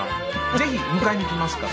ぜひ！迎えに行きますから。